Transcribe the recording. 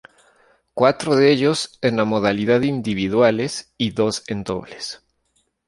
Cuatro de ellos en la modalidad de individuales y dos en dobles.